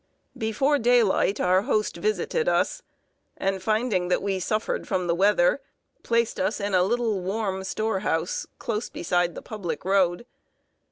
Before daylight our host visited us, and finding that we suffered from the weather, placed us in a little warm storehouse, close beside the public road.